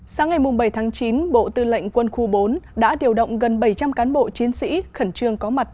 sáng ngày bảy chín bộ tư lệnh quân khu bốn đã điều động gần bảy trăm linh cán bộ chiến sĩ khẩn trương có mặt